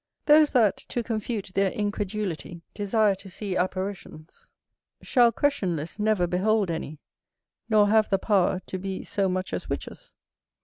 Those that, to confute their incredulity, desire to see apparitions, shall, questionless, never behold any, nor have the power to be so much as witches.